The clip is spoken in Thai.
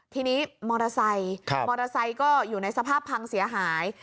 ทีนี้มอเตอร์ไซค์มอเตอร์ไซค์ก็อยู่ในสภาพพังเสียหาย